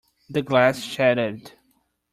The glass shattered.